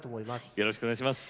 よろしくお願いします。